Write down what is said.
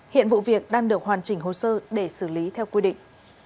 hiện vụ việc đang được hoàn chỉnh hồ sơ để xử lý theo quy định